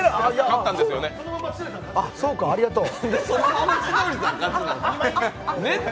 そうか、ありがとう。